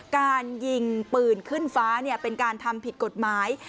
การยิงปืนขึ้นฟ้าเป็นการทำผิดกฎหมาย